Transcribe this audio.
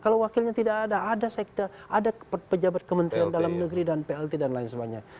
kalau wakilnya tidak ada ada sekda ada pejabat kementerian dalam negeri dan plt dan lain sebagainya